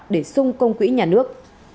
để sung công quỹ nhà nước